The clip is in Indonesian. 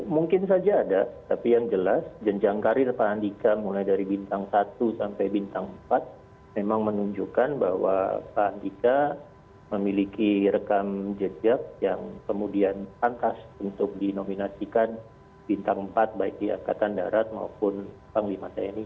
mungkin saja ada tapi yang jelas jenjang karir pak andika mulai dari bintang satu sampai bintang empat memang menunjukkan bahwa pak andika memiliki rekam jejak yang kemudian pantas untuk dinominasikan bintang empat baik di angkatan darat maupun panglima tni